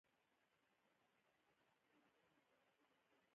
دوی په بهرنیو هیوادونو کې ځمکې اخلي.